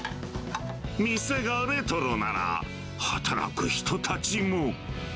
店がレトロなら、働く人たちも。